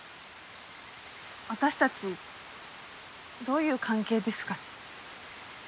私たちどういう関係ですかね？